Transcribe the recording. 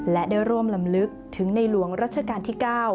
และได้ร่วมลำลึกถึงในหลวงรัชกาลที่๙